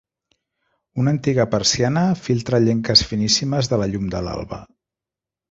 Una antiga persiana filtra llenques finíssimes de la llum de l'alba.